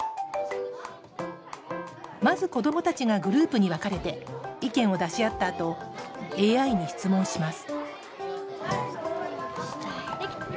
まず、子どもたちがグループに分かれて意見を出し合ったあとＡＩに質問します